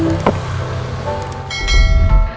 kita sepakat kita kerja sama